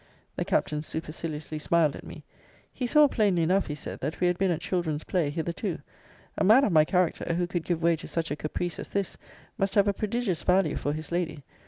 The Captain superciliously smiled at me. He saw plainly enough, he said, that we had been at children's play hitherto. A man of my character, who could give way to such a caprice as this, must have a prodigious value for his lady.